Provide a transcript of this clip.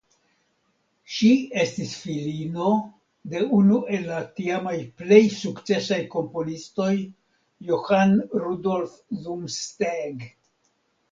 Ŝi estis filino de unu el la tiamaj plej sukcesaj komponistoj Johann Rudolf Zumsteeg.